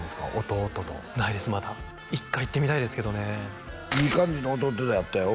弟とないですまだ一回行ってみたいですけどねいい感じの弟だったよ